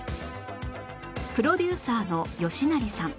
プロデューサーの吉成さん